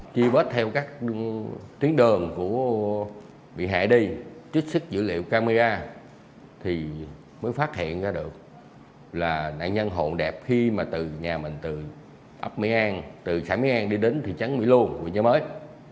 chi vết theo các tuyến đường của bị hại đi trước sức dữ liệu camera thì mới phát hiện ra được là nạn nhân hồn đẹp khi mà từ nhà mình từ ấp mỹ an từ xã mỹ an đi đến thị trấn mỹ luông quận nhà mới